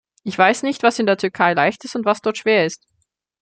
Ich weiß nicht, was in der Türkei leicht ist und was dort schwer ist.